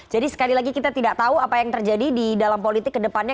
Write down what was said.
jadi sekali lagi kita tidak tahu apa yang terjadi di dalam politik kedepannya